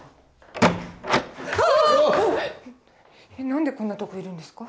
なんでこんなとこいるんですか？